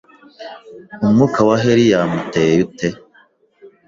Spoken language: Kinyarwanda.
Umwuka wa Helium uteye ute